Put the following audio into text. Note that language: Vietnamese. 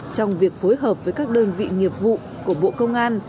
trong việc phối hợp với các đơn vị nghiệp vụ của bộ công an